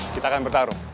kita akan bertarung